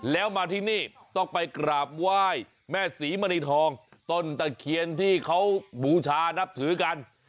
แล้วมาที่นี่ต้องไปกราบไหว้แม่ศรีมณีทองต้นตะเคียนที่เขาบูชานับถือกัน